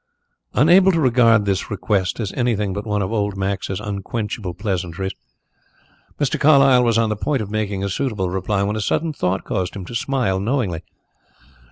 Unable to regard this request as anything but one of old Max's unquenchable pleasantries, Mr. Carlyle was on the point of making a suitable reply when a sudden thought caused him to smile knowingly.